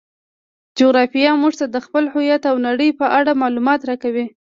جغرافیه موږ ته د خپل هیواد او نړۍ په اړه معلومات راکوي.